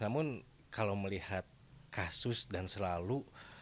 namun kalau melihat kasus dan selalu